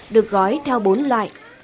được gói theo bốn loại